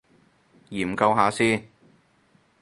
研究下先